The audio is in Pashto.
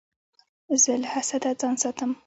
زه له حسده ځان ساتم.